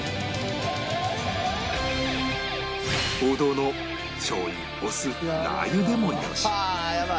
王道のしょう油お酢ラー油でもよしはあやばい！